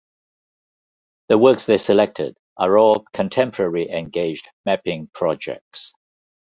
The works they selected are all contemporary engaged mapping projects.